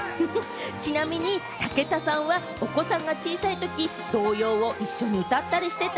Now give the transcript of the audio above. ちなみに武田さんは、お子さんが小さいとき、童謡を一緒に歌ったりしてた？